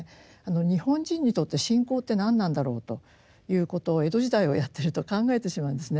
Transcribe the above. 日本人にとって信仰って何なんだろうということを江戸時代をやってると考えてしまうんですね。